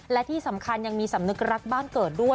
และที่สำคัญยังมีสำนึกรักบ้านเกิดด้วย